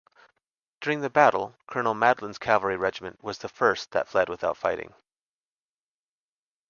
During the battle, Colonel Madlon's cavalry regiment was the first that fled without fighting.